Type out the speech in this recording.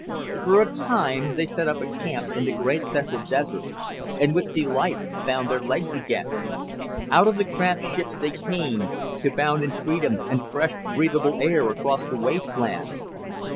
For a time they set up a kind of camp in the great central desert and with delight found their legs again. Out of the cramped ships they came, to bound in freedom and fresh breathable air across the wasteland.